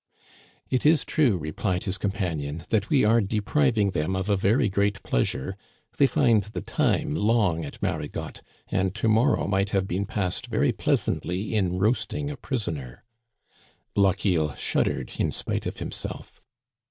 " It is true," replied his companion, that we are depriving them of a very great pleasure. They find the time long at Marigotte, and to morrow might have been passed very pleasantly in roasting a prisoner." Lochiel shuddered in spite of himself.